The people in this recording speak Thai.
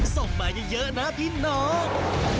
ส่งมาเยอะนะพี่น้อง